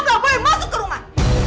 kamu gak boleh masuk ke rumah